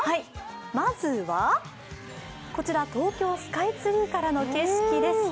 まずは東京スカイツリーからの景色です。